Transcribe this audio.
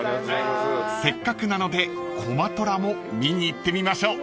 ［せっかくなのでこま虎も見に行ってみましょう］